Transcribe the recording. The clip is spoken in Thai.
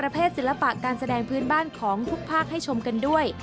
พื้นบ้านของทุกภาคให้ชมกันด้วย